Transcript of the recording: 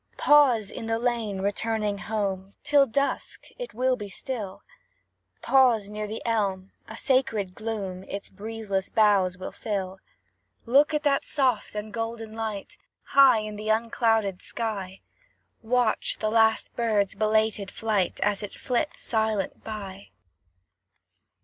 Pause, in the lane, returning home; 'Tis dusk, it will be still: Pause near the elm, a sacred gloom Its breezeless boughs will fill. Look at that soft and golden light, High in the unclouded sky; Watch the last bird's belated flight, As it flits silent by.